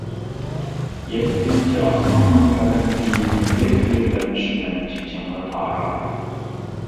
يەتتىنچى ئاسماننىڭ پەلەمپىيىدىن بىر-بىرلەپ چۈشىمەن چېچىڭنى تاراپ.